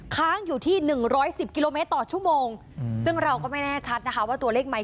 ค้างอยู่ที่หนึ่งร้อยสิบกิโลเมตรต่อชั่วโมงซึ่งเราก็ไม่แน่ชัดนะคะว่าตัวเลขไหม